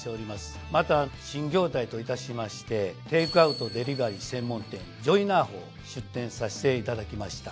また新業態といたしましてテークアウト・デリバリー専門店ジョイ・ナーホを出店させていただきました。